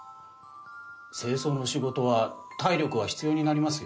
清掃の仕事は体力が必要になります